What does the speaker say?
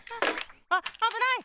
あっあぶない！